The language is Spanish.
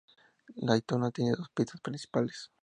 Daytona tiene dos pistas principales.